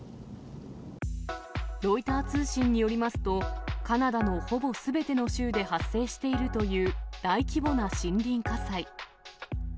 ロイター通信によりますと、カナダのほぼすべての州で発生しているという、大規模な森林火災。